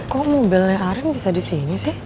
kok mobilnya arin bisa disini sih